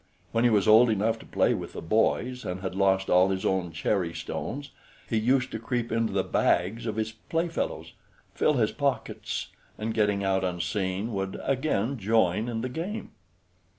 When he was old enough to play with the boys, and had lost all his own cherry stones, he used to creep into the bags of his playfellows, fill his pockets, and, getting out unseen, would again join in the game.